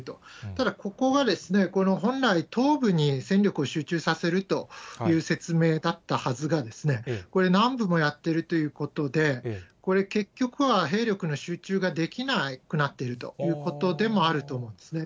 ただ、ここはこの本来、東部に戦力を集中させるという説明だったはずが、これ、南部もやっているということで、これ、結局は、兵力の集中ができなくなっているということでもあると思うんですね。